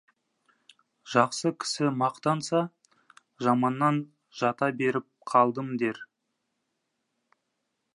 Жақсы кісі мақтанса, «Жаманнан жата беріп қалдым» дер.